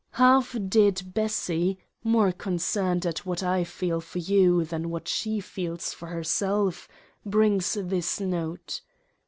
Half dead Bessy, — more concerned at what I feel for you, than what she feels for herself; brings this note.